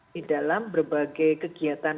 di dalam berbagai kegiatan